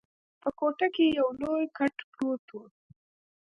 په کوټه کي یو لوی کټ پروت وو.